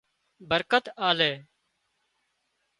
برڪت آلي